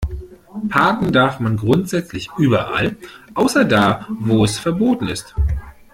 Parken darf man grundsätzlich überall, außer da, wo es verboten ist.